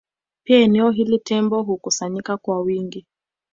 Pia eneo hili Tembo hukusanyika kwa wingi